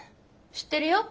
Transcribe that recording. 知ってるよ。